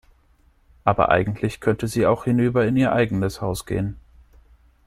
Aber eigentlich könnte sie auch hinüber in ihr eigenes Haus gehen.